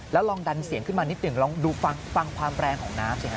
แล้วลองดันเสียงขึ้นมานิดหนึ่งลองดูฟังความแรงของน้ำสิฮ